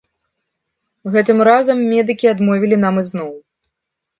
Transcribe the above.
Гэтым разам медыкі адмовілі нам ізноў.